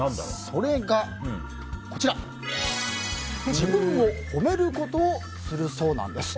それが、自分を褒めることをするそうなんです。